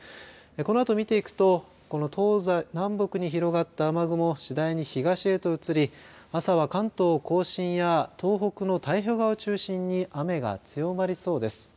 このあと見ていくとこの東西、南北に広がった雨雲次第に東へと移り朝は関東甲信や東北の太平洋側を中心に雨が強まりそうです。